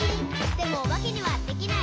「でもおばけにはできない。」